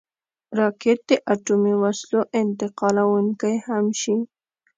راکټ د اټومي وسلو انتقالونکی هم شي